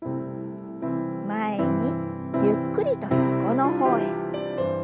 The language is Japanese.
前にゆっくりと横の方へ。